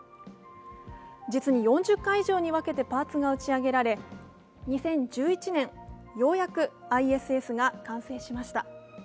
実に４０回以上に分けてパーツが打ち上げられ、２０１１年、ようやくＩＳＳが完成しました。